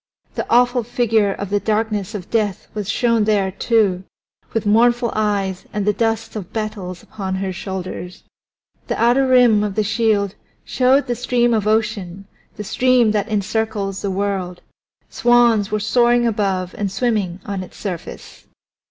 The awful figure of the Darkness of Death was shown there, too, with mournful eyes and the dust of battles upon her shoulders. The outer rim of the shield showed the Stream of Ocean, the stream that encircles the world; swans were soaring above and swimming on its surface.